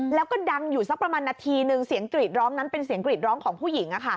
แล้วก็ดังอยู่สักประมาณนาทีนึงเสียงกรีดร้องนั้นเป็นเสียงกรีดร้องของผู้หญิง